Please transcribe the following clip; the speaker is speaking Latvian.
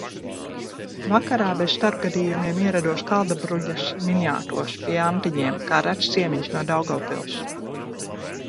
"Vakarā, bez starpgadījumiem ierados Kaldabrunas "Miņātos" pie Antiņiem kā rets ciemiņš no Daugavpils."